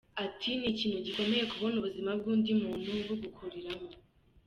Ati “Ni ikintu gikomeye kubona ubuzima bw’undi muntu bugukuriramo.